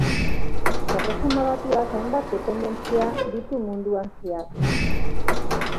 Erresuma Batuak hainbat dependentzia ditu munduan zehar.